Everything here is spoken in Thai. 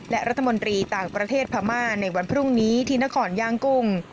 และรัฐมนตรีต่างประเทศพม่าในวันพรุ่งนี้ที่นครย่างกุ้ง